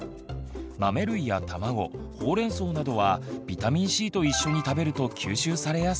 豆類や卵ほうれんそうなどはビタミンＣと一緒に食べると吸収されやすくなります。